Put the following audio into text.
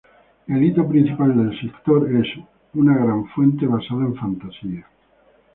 El hito principal del sector, es una gran fuente basada en "Fantasía".